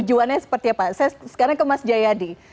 tujuannya seperti apa saya sekarang ke mas jayadi